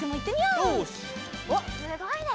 おっすごいね！